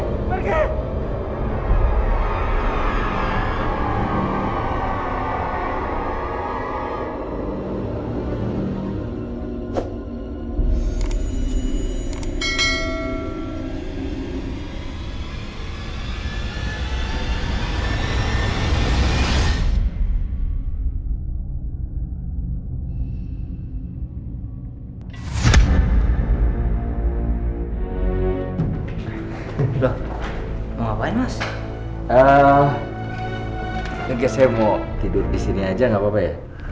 kayaknya saya mau tidur disini aja gak apa apa ya